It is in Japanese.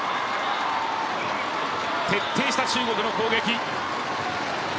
徹底した中国の攻撃。